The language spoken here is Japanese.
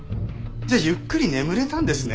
じゃあゆっくり眠れたんですね。